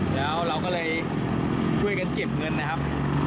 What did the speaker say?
แล้วเราก็เลยช่วยกันเก็บเงินนะครับ